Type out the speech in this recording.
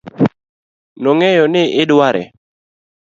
nong'eyo ni idware